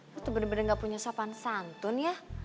aku tuh bener bener gak punya sopan santun ya